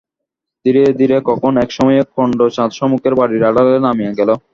ধীরে ধীরে কখন এক সময়ে খণ্ড-চাঁদ সম্মুখের বাড়ির আড়ালে নামিয়া গেল।